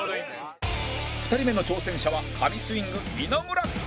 ２人目の挑戦者は神スイング稲村